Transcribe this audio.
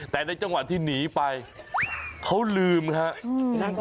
แต่ในจังหวะที่หนีไปเขาลืมครับ